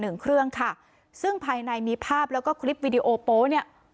หนึ่งเครื่องค่ะซึ่งภายในมีภาพแล้วก็คลิปวิดีโอโป๊เนี่ย